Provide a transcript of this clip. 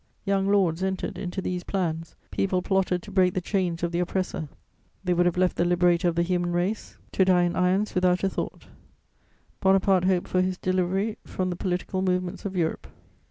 Young lords entered into these plans; people plotted to break the chains of the oppressor: they would have left the liberator of the human race to die in irons without a thought Bonaparte hoped for his delivery from the political movements of Europe.